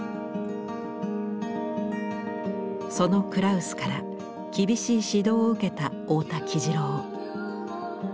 そのクラウスから厳しい指導を受けた太田喜二郎。